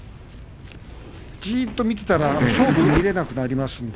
じっと見てますと勝負を見られなくなります。